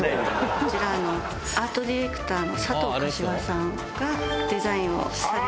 こちらアートディレクターの佐藤可士和さんがデザインをされて。